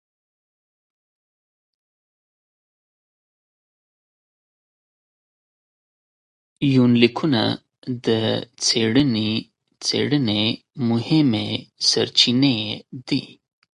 يونليکونه د څېړنې مهمې سرچينې دي.